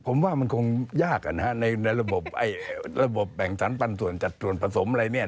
ผมว่ามันคงยากในระบบระบบแบ่งสรรปันส่วนจัดส่วนผสมอะไรเนี่ย